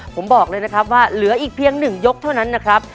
ผมบอกเลยนะครับว่าเหลืออีกเพียง๑ยกเท่านั้นนะครับ